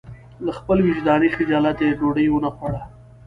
له خپل وجداني خجالته یې ډوډۍ ونه خوړه.